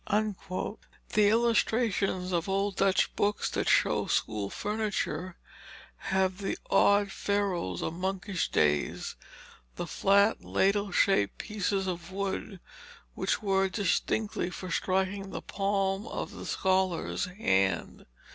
The illustrations of old Dutch books that show school furniture, have the odd ferules of monkish days, the flat ladle shaped pieces of wood which were distinctly for striking the palm of the scholar's hand.